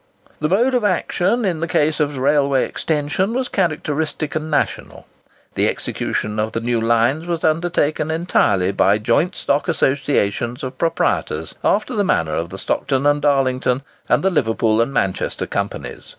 The mode of action in the case of railway extension, was characteristic and national. The execution of the new lines was undertaken entirely by joint stock associations of proprietors, after the manner of the Stockton and Darlington, and Liverpool and Manchester companies.